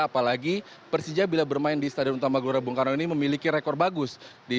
apalagi persija bila bermain di stadion utama gelora bung karno ini memiliki rekor bagus